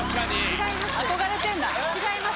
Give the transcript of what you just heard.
違います。